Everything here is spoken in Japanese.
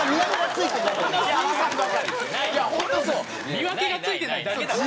見分けがついてないだけなのよ。